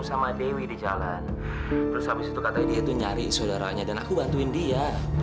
sampai jumpa di video selanjutnya